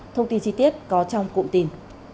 thông tin chi tiết có trong cụm tin